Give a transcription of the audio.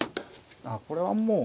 あこれはもう。